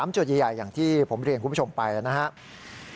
จุดใหญ่อย่างที่ผมเรียนคุณผู้ชมไปนะครับ